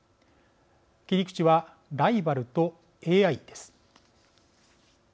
切り口はライバルとＡＩです。